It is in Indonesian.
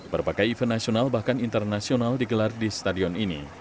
berbagai event nasional bahkan internasional digelar di stadion ini